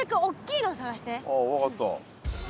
ああ分かった。